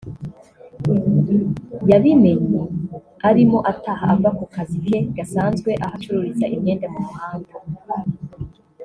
yabimenye arimo ataha ava ku kazi ke gasanzwe aho acururiza imyenda mu muhanda